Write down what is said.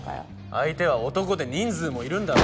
相手は男で人数もいるんだろ？